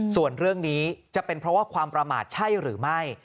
ส่วนเรื่องนี้จะเป็นเพราะว่าความประมาทใช่หรือไม่